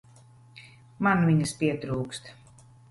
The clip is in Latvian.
Man viņas pietrūkst.